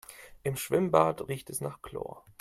Im Schwimmbad riecht es nach Chlor.